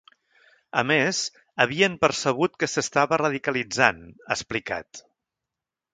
A més, havien percebut que s’estava radicalitzant, ha explicat.